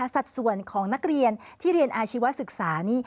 สัดส่วนของนักเรียนที่เรียนอาชีวศึกษานี่